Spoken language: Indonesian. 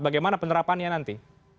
bagaimana penerapannya nanti